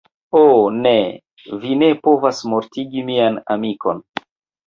Oh ne! Vi ne povas mortigi mian amikon!